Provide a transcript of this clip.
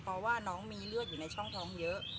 เพราะว่าน้องมีเลือดอยู่ในช่องท้องเยอะ